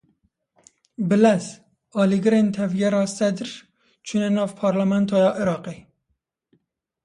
Bilez! Alîgirên Tevgera Sedr çûne nav Parlamentoya Iraqê.